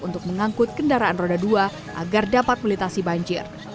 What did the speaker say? untuk mengangkut kendaraan roda dua agar dapat melintasi banjir